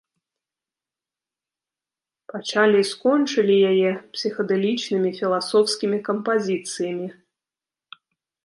Пачалі і скончылі яе псіхадэлічнымі філасофскімі кампазіцыямі.